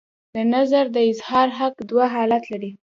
د نظر د اظهار حق دوه حالته لري.